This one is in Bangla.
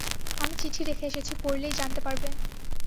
আমি চিঠি রেখে এসেছি– পড়লেই জানতে পারবেন।